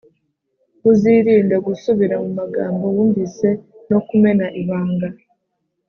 uzirinde gusubira mu magambo wumvise no kumena ibanga